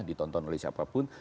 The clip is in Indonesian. ditonton oleh siapapun